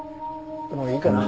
もういいかな？